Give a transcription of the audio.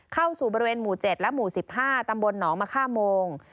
เข้าสู่บริเวณหมู่๗และหมู่๑๕ตำบลหนองมะค่าโมง